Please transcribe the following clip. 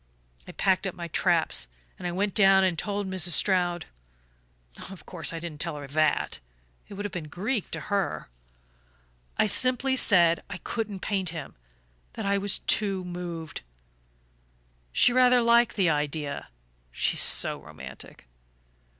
I packed up my traps, and went down and told Mrs. Stroud. Of course I didn't tell her THAT it would have been Greek to her. I simply said I couldn't paint him, that I was too moved. She rather liked the idea she's so romantic!